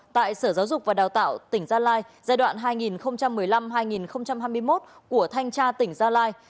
tại sở giáo dục và đào tạo tỉnh gia lai giai đoạn hai nghìn một mươi năm hai nghìn hai mươi một của thanh tra tỉnh gia lai